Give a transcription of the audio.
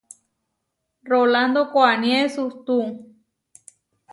Rolándo koʼaníe suhtú.